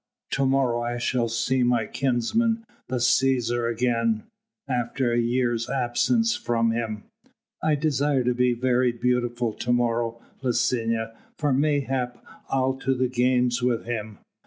To morrow I shall see my kinsman the Cæsar again, after a year's absence from him. I desire to be very beautiful to morrow, Licinia, for mayhap I'll to the games with him.